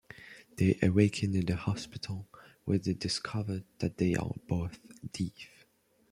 They awaken in the hospital where they discover that they are both deaf.